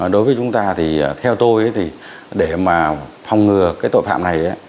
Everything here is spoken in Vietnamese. đối với chúng ta thì theo tôi thì để mà phòng ngừa cái tội phạm này